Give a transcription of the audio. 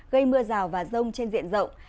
gây mưa rào và rông trên diện rộng